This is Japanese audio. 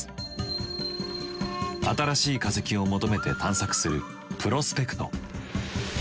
新しい化石を求めて探索するプロスペクト。